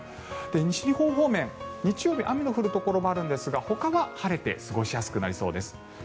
西日本方面日曜日、雨の降るところもあるんですがほかは晴れて過ごしやすくなりそうです。